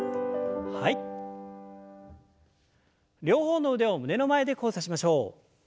両方の腕を胸の前で交差しましょう。